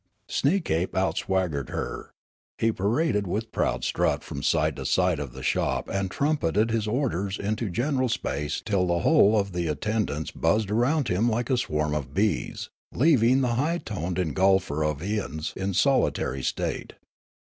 Sneekape outswaggered her ; he paraded with proud strut from side to side of the shop and trumpeted his 220 Riallaro orders into general space till the whole of the attend ants buzzed round him like a swarm of bees, leaving the high toned engulfer of viands in solitar}^ state.